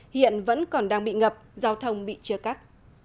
hiện vẫn còn đang bị ngập giao thông bị chia cắt